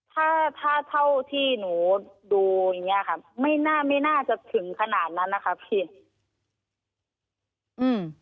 ถ้าเท่าที่หนูดูอย่างนี้ค่ะไม่น่าจะถึงขนาดนั้นนะคะพี่